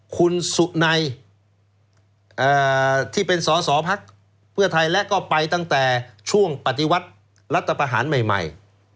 คุณสุนัยที่เป็นสอสอพักเพื่อไทยและก็ไปตั้งแต่ช่วงปฏิวัติรัฐประหารใหม่